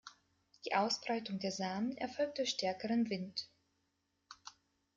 Die Ausbreitung der Samen erfolgt durch stärkeren Wind.